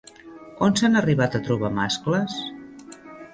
On s'han arribat a trobar mascles?